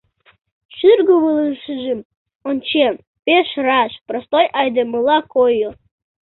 Шӱргывылышыжым ончен, пеш раш, простой айдемыла койо.